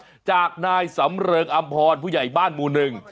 หลังจากนายสำเริงอำพรผู้ใหญ่บ้านหมู่หนึ่ง